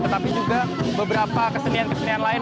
tetapi juga beberapa kesenian kesenian lain